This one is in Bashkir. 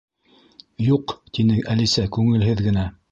—Юҡ, —тине Әлисә күңелһеҙ генә.